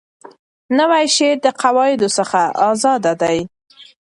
نوی شعر د قواعدو څخه آزاده دی.